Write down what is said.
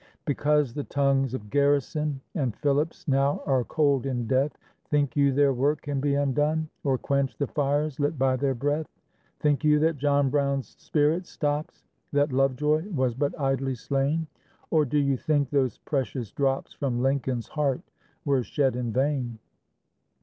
Because the tongues of Garrison And Phillips now are cold in death, Think you their work can be undone? Or quenched the fires lit by their breath? Think you that John Brown's spirit stops? That Lovejoy was but idly slain? Or do you think those precious drops From Lincoln's heart were shed in vain?